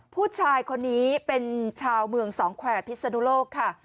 ผู้ชายคนนี้เป็นชาวเมืองสองแขวพิศนุโลกค่ะ